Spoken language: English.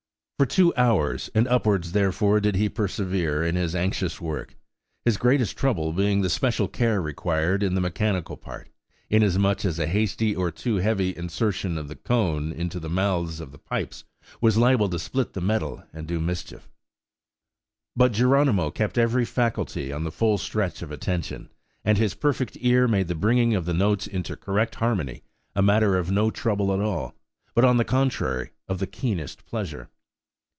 For two hours and upwards therefore, did he persevere in his anxious work; his greatest trouble being the special care required in the mechanical part, inasmuch as a hasty or too heavy insertion of the cone into the mouths of the pipes was liable to split the metal and do mischief. But Geronimo kept every faculty on the full stretch of attention, and his perfect ear made the bringing of the notes into correct harmony a matter of no trouble at all, but, on the contrary, of the keenest pleasure.